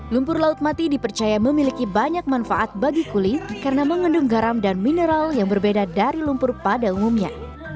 lumpur laut mati dipercaya memiliki banyak manfaat bagi kulit karena mengandung garam dan mineral yang berbeda dari lumpur pada umumnya